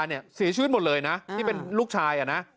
๔ชีวิตหมดเลยนะที่เป็นลูกชาย